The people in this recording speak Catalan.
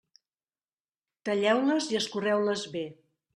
Talleu-les i escorreu-les bé.